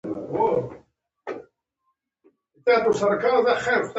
خلک او مطبوعات یې بدبین ساتلي و.